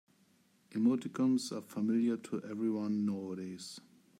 Emoticons are familiar to everyone nowadays.